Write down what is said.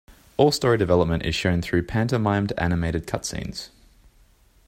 All story development is shown through pantomimed animated cutscenes.